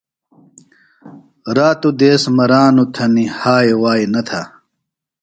راتوۡ دیس مرانوۡ تھنیۡ ہائے وائے نہ تھے۔